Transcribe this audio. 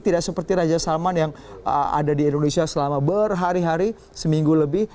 tidak seperti raja salman yang ada di indonesia selama berhari hari seminggu lebih